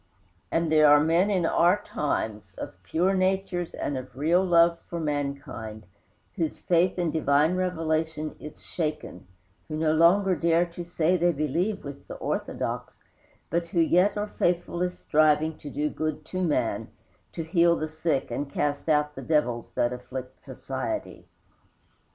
And there are men in our times, of pure natures and of real love for mankind, whose faith in divine revelation is shaken, who no longer dare to say they believe with the "orthodox," but who yet are faithfully striving to do good to man, to heal the sick and cast out the devils that afflict society.